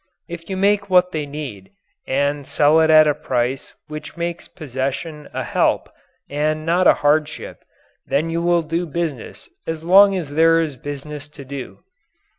If you make what they need, and sell it at a price which makes possession a help and not a hardship, then you will do business as long as there is business to do.